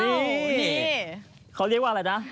นี่เขาเรียกว่าอะไรนะ